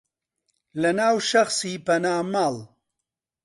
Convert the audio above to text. لەناو شەخسی پەنا ماڵ